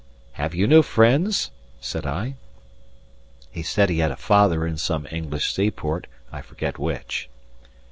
"Have you no friends?" said I. He said he had a father in some English seaport, I forget which.